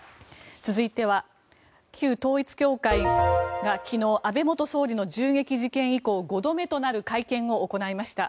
続いては旧統一教会が昨日、安倍元総理の銃撃事件以降５度目となる会見を行いました。